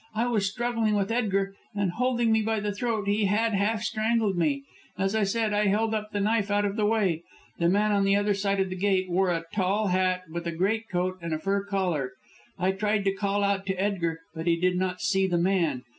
I was struggling with Edgar, and, holding me by the throat, he had half strangled me. As I said, I held up the knife out of the way. The man on the other side of the gate wore a tall hat and a great coat with a fur collar. I tried to call out to Edgar, but he did not see the man.